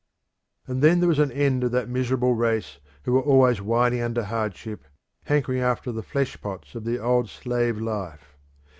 And then there was an end of that miserable race who were always whining under hardship, hankering after the fleshpots of the old slave life.